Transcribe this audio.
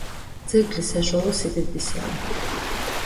ძეგლი საშუალო სიდიდისაა.